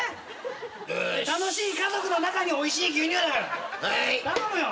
楽しい家族の中においしい牛乳。頼むよ。